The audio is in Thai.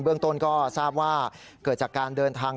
เรื่องต้นก็ทราบว่าเกิดจากการเดินทาง